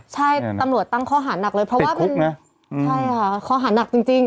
ใช่ตำรวจตั้งข้อหาหนักเลยเฮ้ยข้อหาหนักจริง